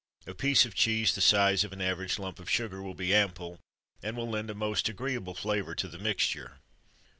A piece of cheese the size of an average lump of sugar will be ample, and will lend a most agreeable flavour to the mixture.